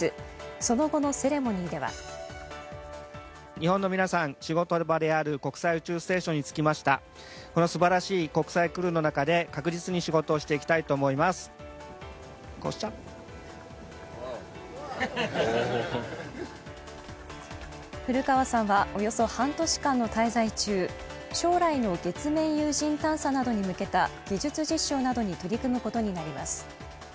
その後のセレモニーでは古川さんはおよそ半年間の滞在中、将来の月面有人探査などに向けた技術実証などに取り組むことになります。